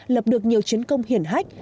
lập được nhiều chiến công hiển hách